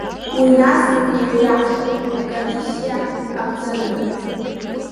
Уи нас еиҩаҳшап, акомиссиа аԥҵаны.